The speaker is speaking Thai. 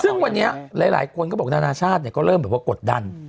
ซึ่งวันเนี้ยหลายหลายคนก็บอกนานาชาติเนี้ยก็เริ่มเหมือนว่ากดดัน